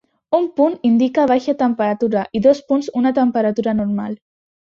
Un punt indica baixa temperatura i dos punts una temperatura normal.